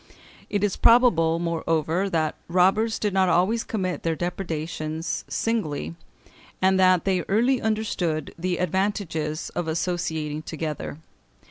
It is probable, moreover, that robbers did not always commit their depredations singly, and that they early understood the advantages of associating together.